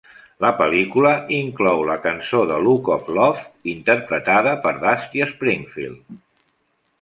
La pel·lícula inclou la cançó "The Look of Love" interpretada per Dusty Springfield.